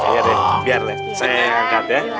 ya udah biar deh saya yang angkat ya